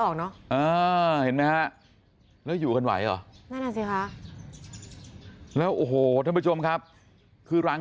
ออกเนาะแล้วอยู่กันไหวหรอแล้วโอ้โหท่านผู้ชมครับคือรัง